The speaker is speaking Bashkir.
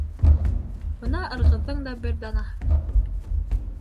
Бына «Ырғыҙ»ҙың бер данаһы